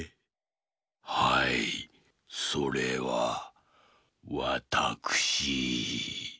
はいそれはわたくしー。